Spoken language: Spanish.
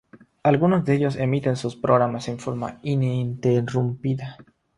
Algunos de ellos emiten sus programas en forma ininterrumpida.